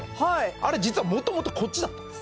あれ実は元々こっちだったんです